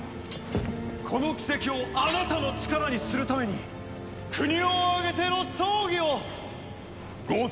この奇跡をあなたの力にするために国を挙げての葬儀をご提案します。